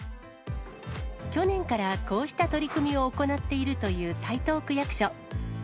去年からこうした取り組みを行っているという台東区役所。